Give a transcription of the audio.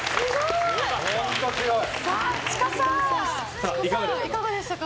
いかがでしたか？